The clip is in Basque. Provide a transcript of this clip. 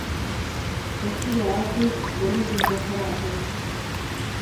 Ez dira, haatik, horrekin konformatu.